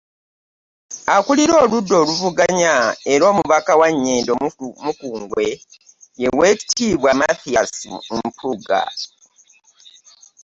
Akulira oludda oluvuganya era omubaka wa Nyendo- Mukungwe, ye Oweekitiibwa Mathias Mpuuga